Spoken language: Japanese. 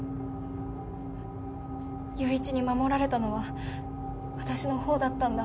友一に守られたのは私のほうだったんだ。